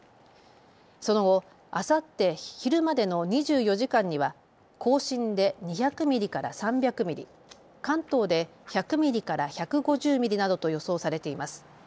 その後、あさって昼までの２４時間には甲信で２００ミリから３００ミリ、関東で１００ミリから１５０ミリなどと予想されています。